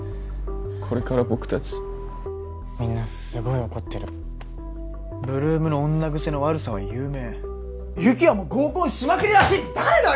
これから僕達みんなすごい怒ってる「８ＬＯＯＭの女癖の悪さは有名」「有起哉も合コンしまくりらしい」って誰だよ！